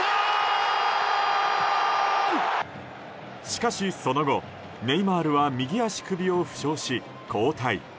しかしその後、ネイマールは右足首を負傷し交代。